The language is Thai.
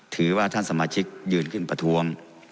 ยืนขึ้นประทวง